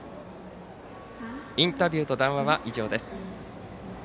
インタビューと談話は以上です。